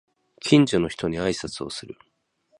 近所の人に挨拶をする